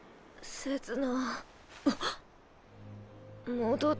せつな。